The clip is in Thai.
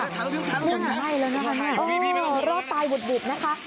นั่นค่ะนั่นค่ะโอ้โฮรอบตายบุดนะคะ